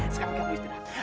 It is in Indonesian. sekarang kamu istirahat